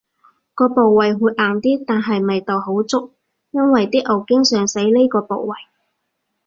個部位會硬啲，但係味道好足，因爲啲牛經常使呢個部位